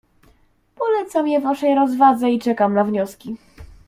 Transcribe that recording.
"Polecam je waszej rozwadze i czekam na wnioski."